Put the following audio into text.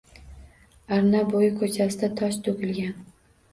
Arna bo`yi ko`chasiga tosh to`kilgan